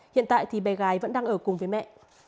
hiện tại thì bé gái vẫn đang ở cùng với mẹ